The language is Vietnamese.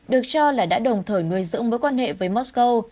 được cho là đã đồng thời nuôi dưỡng mối quan hệ với mosco